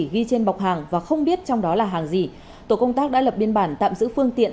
ghi trên bọc hàng và không biết trong đó là hàng gì tổ công tác đã lập biên bản tạm giữ phương tiện